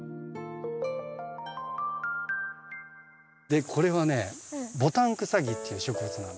でこれはねボタンクサギっていう植物なんですよ。